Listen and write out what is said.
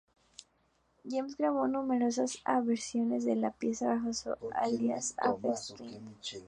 James grabó numerosas versiones de la pieza bajo su alias Aphex Twin.